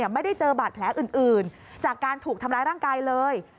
ไม่ได้เจอบาดแผลอื่นจากการถูกทำร้ายร่างกายเลย